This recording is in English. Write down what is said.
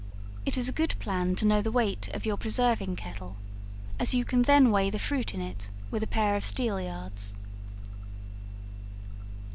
It is a good plan to know the weight of your preserving kettle, as you can then weigh the fruit in it, with a pair of steelyards.